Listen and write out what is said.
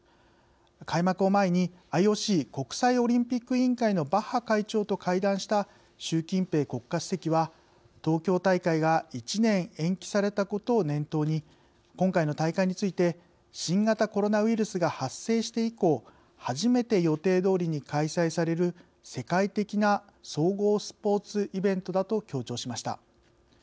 開幕を前に、ＩＯＣ＝国際オリンピック委員会のバッハ会長と会談した習近平国家主席は東京大会が１年延期されたことを念頭に、今回の大会について新型コロナウイルスが発生して以降初めて予定どおりに開催される世界的な総合スポーツイベントだと強調しました。